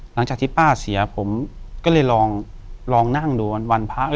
หลังจากที่ป้าเสียผมก็เลยลองนั่งดูวันพระ